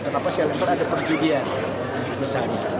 kenapa siang nanti ada perjudian